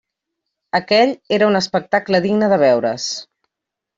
Aquell era un espectacle digne de veure's.